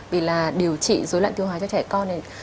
vì là điều trị dấu lận tiêu hóa cho trẻ con này